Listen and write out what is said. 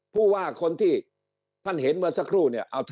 ผู้ว่าคนที่ท่านเห็นเมื่อสักครู่เนี่ย